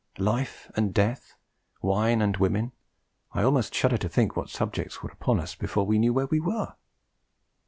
Life and death wine and women I almost shudder to think what subjects were upon us before we knew where we were!